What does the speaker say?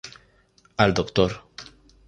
Al Dr.